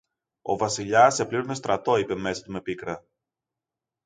Ο Βασιλιάς επλήρωνε στρατό είπε μέσα του με πίκρα